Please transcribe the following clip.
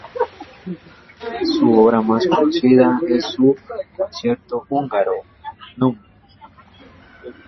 Su obra más conocida es su "Concierto Húngaro, núm.